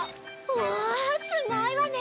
わあすごいわね！